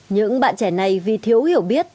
những bạn trẻ này vì thiếu hiểu biết